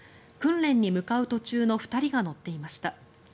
訓練に向かう途中の２人が乗っていました。